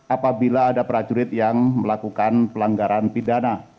apabila ada prajurit yang melakukan pelanggaran pidana